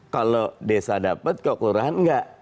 kalau desa dapat kalau kelurahan nggak